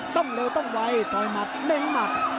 ต้องเร็วต้องไวต่อยหมัดเน้นหมัด